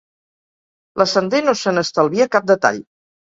La Sender no se n'estalvia cap detall.